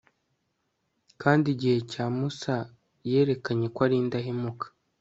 kandi igihe cya musa, yerekanye ko ari indahemuka